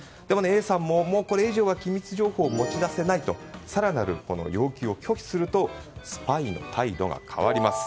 Ａさんも、もうこれ以上は機密情報は持ち出せないと更なる要求を拒否するとスパイの態度が変わります。